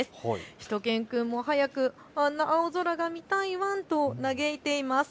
しゅと犬くんも早くあんな青空が見たいワンと嘆いています。